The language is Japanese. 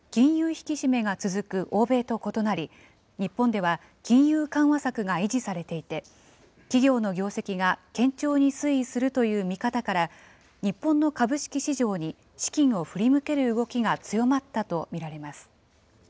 引き締めが続く欧米と異なり、日本では金融緩和策が維持されていて、企業の業績が堅調に推移するという見方から、日本の株式市場に資金を振り向ける動きが強まったと見られます。